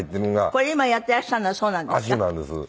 これ今やっていらっしゃるのがそうなんですか？